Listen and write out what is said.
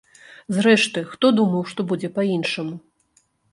Зрэшты, хто думаў што будзе па іншаму?